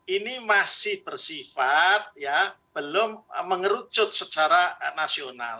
ini masih bersifat belum mengerucut secara nasional